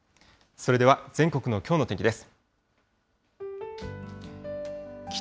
それでは全国のきょうの天気です。